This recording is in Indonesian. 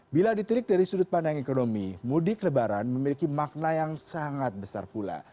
bila diterik dari sudut pandang ekonomi mudik lebaran memiliki makna yang sangat besar pula